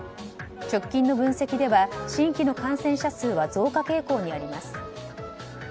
直近の分析では新規の感染者数は増加傾向にあります。